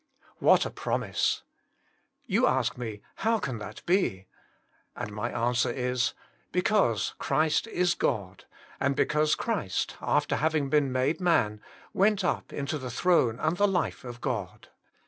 What a promise ! You ask me. How can that be? And my answer is, Because Christ is G od, and because Christ after having been made man, went up into the throne and the Life of God.